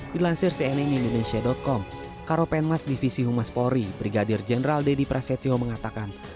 dilansir cnn indonesia com karopenmas divisi humas polri brigadir jenderal deddy prasetyo mengatakan